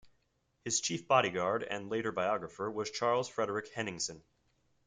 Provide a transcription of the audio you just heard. His chief bodyguard, and later biographer, was Charles Frederick Henningsen.